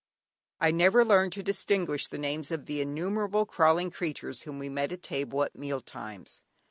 I never learned to distinguish the names of the innumerable crawling creatures whom we met at table at meal times.